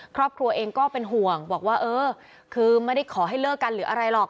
ครอบครัวเองก็เป็นห่วงบอกว่าเออคือไม่ได้ขอให้เลิกกันหรืออะไรหรอก